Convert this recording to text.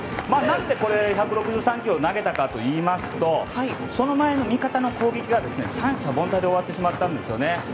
何で、ここで１６３キロを投げたかといいますとその前の味方の攻撃が三者凡退で終わってしまったんですよね。